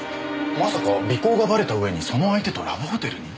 まさか尾行がバレた上にその相手とラブホテルに？